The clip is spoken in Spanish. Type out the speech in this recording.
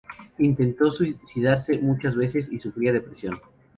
Intentó suicidarse muchas veces y sufría de depresión.